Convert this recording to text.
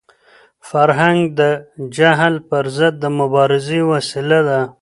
فرهنګ د جهل پر ضد د مبارزې وسیله ده.